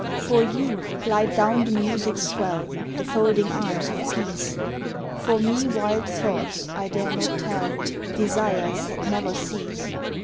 For you, glide down the music's swell The folding arms of peace, For me wild thoughts, I dare not tell Desires that never cease.